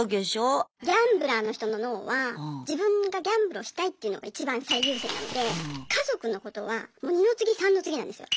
ギャンブラーの人の脳は自分がギャンブルをしたいっていうのが一番最優先なので家族のことはもう二の次三の次なんですよ。